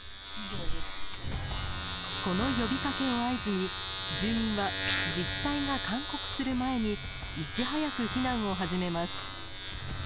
この呼びかけを合図に住民は自治体が勧告する前にいち早く避難を始めます。